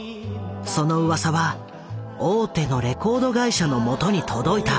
そのうわさは大手のレコード会社の元に届いた。